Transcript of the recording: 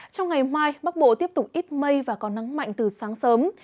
trong ngày mai bắc bộ tiếp tục ít mây và có nắng mạnh từ sáng sớm